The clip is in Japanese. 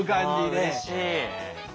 あうれしい。